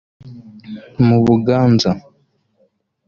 mu Buganza